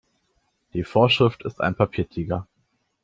Die Vorschrift ist ein Papiertiger.